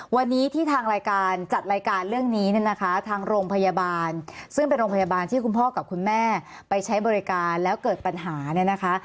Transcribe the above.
วันนี้ที่ทางรายการจัดรายการเรื่องนี้เนี่ยนะคะทางโรงพยาบาลซึ่งเป็นโรงพยาบาลที่คุณพ่อกับคุณแม่ไปใช้บริการแล้วเกิดปัญหาเนี่ยนะคะ